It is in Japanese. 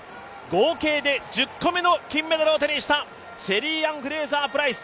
合計で１０個目の金メダルを手にしたシェリーアン・フレイザー・プライス。